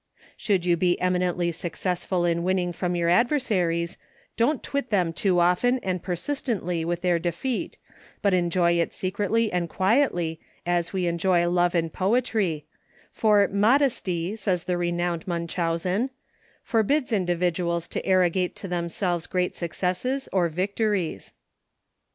Should you be eminently successful in win ning from your adversaries, don't twit them too often and persistently with their defeat, but enjoy it secretly and quietly as we enjoy love and poetry, for "modesty," says the re nowned Munchausen, u forbids individuals to arrogate to themselves great successes or vic tories."